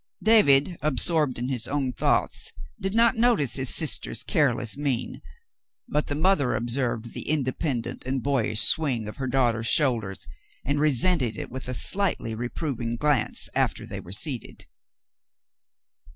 David, absorbed in his own thoughts, did not notice his sister's careless mien, but the mother observed the inde pendent and boyish swing of her daughter's shoulders, and resented it with a slightly reproving glance after they were seated.